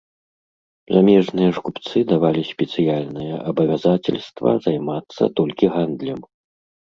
Замежныя ж купцы давалі спецыяльнае абавязацельства займацца толькі гандлем.